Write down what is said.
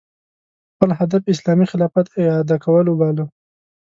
خپل هدف اسلامي خلافت اعاده کول وباله